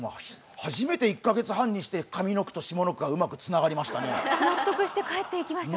初めて１カ月半にして上の句と下の句が納得して帰っていきましたね。